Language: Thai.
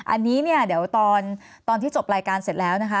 อันนี้เนี่ยเดี๋ยวตอนที่จบรายการเสร็จแล้วนะคะ